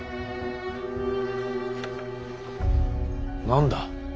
何だ。